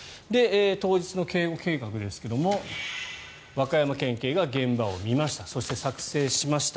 当日の警護警察ですけど和歌山県警が現場を見ましたそして作成しました。